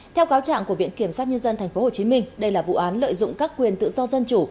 theo cáo trạng của viện kiểm sát nhân dân tp hcm đây là vụ án lợi dụng các quyền tự do dân chủ